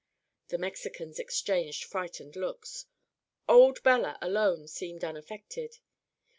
The Mexicans exchanged frightened looks. Old Bella alone seemed unaffected.